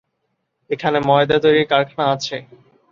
এখানে ময়দা তৈরির কারখানা আছে।